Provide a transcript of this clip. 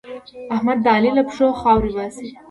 احمد د علي له پښو خاورې باسي.